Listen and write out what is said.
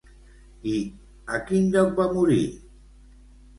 I a quin lloc va morir?